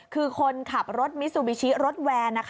คือคนขับรถมิซูบิชิรถแวน